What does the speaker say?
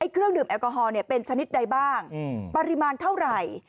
เครื่องดื่มแอลกอฮอลเป็นชนิดใดบ้างปริมาณเท่าไหร่